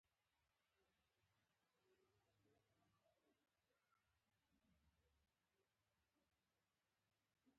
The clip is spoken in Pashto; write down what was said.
خوځښت د بدلون رامنځته کولو ځواک دی.